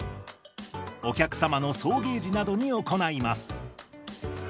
お客様の送迎時などに行います。